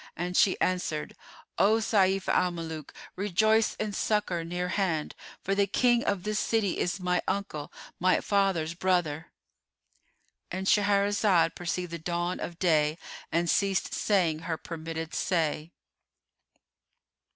and she answered, "O Sayf al Muluk, rejoice in succour near hand; for the King of this city is my uncle, my father's brother."——And Shahrazad perceived the dawn of day and ceased saying her permitted say.